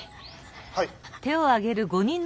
はい。